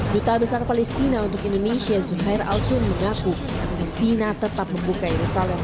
juta besar palestina untuk indonesia zuhair alsun mengaku palestina tetap membuka yerusalem